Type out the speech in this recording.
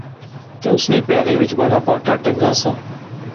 تہ اس نے پیریں وچ بڑا باٹا ٹہنگا سا